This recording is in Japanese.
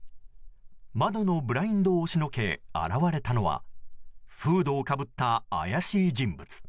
窓のブラインドを押しのけ現れたのはフードをかぶった怪しい人物。